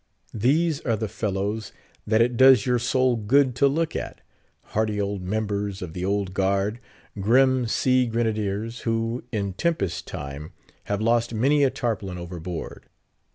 These are the fellows that it does your soul good to look at;—hearty old members of the Old Guard; grim sea grenadiers, who, in tempest time, have lost many a tarpaulin overboard.